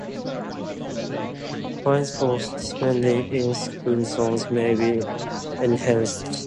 Fines for speeding in school zones may be enhanced.